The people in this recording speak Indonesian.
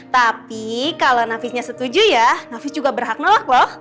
tapi kalau nafisnya setuju ya nafis juga berhak menolak loh